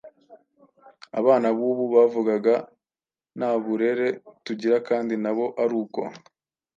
Abana bubu bavugaga ntaburere tugira kandi nabo aruko